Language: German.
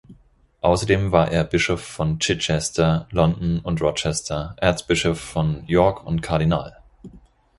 Außerdem war er Bischof von Chichester, London und Rochester, Erzbischof von York und Kardinal.